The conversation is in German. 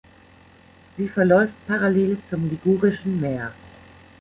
Sie verläuft parallel zum Ligurischen Meer.